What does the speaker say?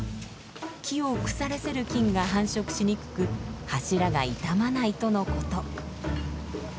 木を腐らせる菌が繁殖しにくく柱が傷まないとのこと。